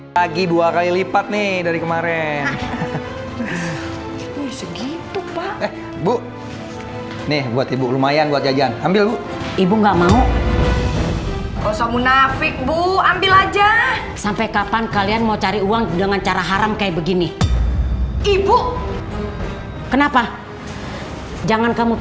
sampai jumpa di video selanjutnya